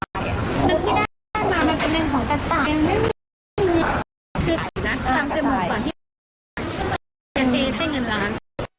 การทำจมูกต่อที่ไม่ได้เงินล้าน